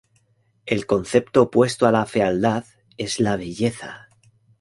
El concepto opuesto a la fealdad es la belleza.